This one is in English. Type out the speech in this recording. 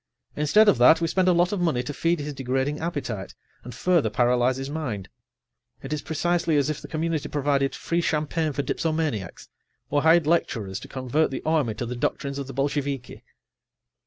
Instead of that, we spend a lot of money to feed his degrading appetite and further paralyze his mind. It is precisely as if the community provided free champagne for dipsomaniacs, or hired lecturers to convert the army to the doctrines of the Bolsheviki.